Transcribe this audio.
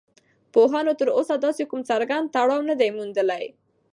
پوهانو تر اوسه داسې کوم څرگند تړاو نه دی موندلی